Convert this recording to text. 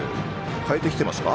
変えてきていますか。